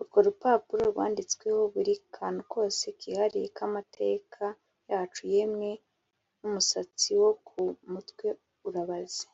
urwo rupapuro rwanditsweho buri kantu kose kihariye k’amateka yacu; yemwe n’umusatsi wo ku mutwe urabaze